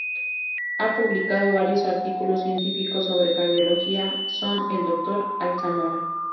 Ha publicado varios artículos científicos sobre cardiología son el Dr. Alzamora.